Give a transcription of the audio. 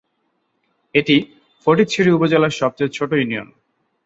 এটি ফটিকছড়ি উপজেলার সবচেয়ে ছোট ইউনিয়ন।